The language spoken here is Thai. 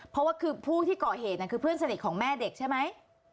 เพราะว่าคือผู้ที่ก่อเหตุคือเพื่อนสนิทของแม่เด็กใช่ไหม